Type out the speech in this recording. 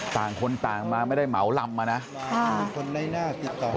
ต่างคนต่างมาไม่ได้เหมาลำมานะค่ะ